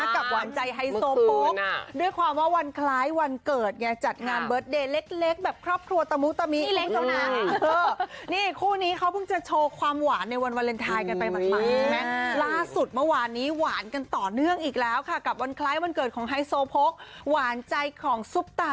ตัวโพกหวานใจของซุปตาตัวแม่คุณอ้ำพัชรภา